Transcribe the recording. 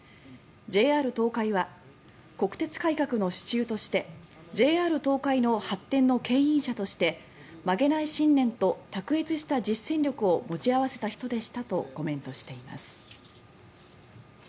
ＪＲ東海は国鉄改革の支柱としてＪＲ東海の発展のけん引者として曲げない信念と卓越した実践力を持ち合わせた人でしたとコメントしています。